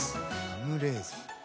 ラムレーズン。